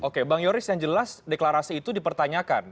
oke bang yoris yang jelas deklarasi itu dipertanyakan